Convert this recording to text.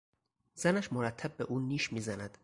زنش مرتب به او نیش میزند.